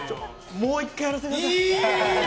もう１回やらせてください。